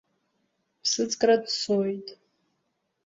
Ԥсыӡкра дцоит.